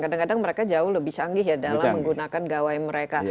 kadang kadang mereka jauh lebih canggih ya dalam menggunakan gawai mereka